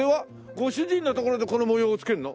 ご主人のところでこの模様をつけるの？